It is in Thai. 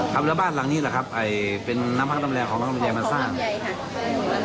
ตากับยายเขาสบายเพราะว่าเมื่อก่อนยายกับยาย